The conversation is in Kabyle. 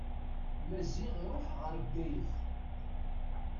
Maziɣ iruḥ ɣer Bgayet.